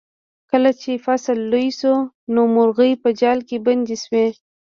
کله چې فصل لوی شو نو مرغۍ په جال کې بندې شوې.